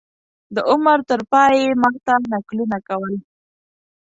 د عمر تر پایه یې ما ته نکلونه کول.